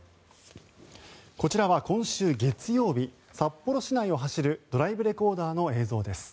こちらは今週月曜日札幌市内を走るドライブレコーダーの映像です。